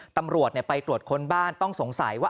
ตำรวจไปตรวจค้นบ้านต้องสงสัยว่า